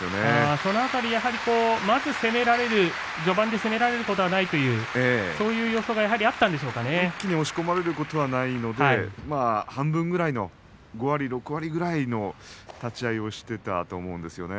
その辺り序盤で攻められることはないというそういう予想が一気に押し込まれることはないので半分ぐらいの５割６割ぐらいの立ち合いをしていたと思うんですよね。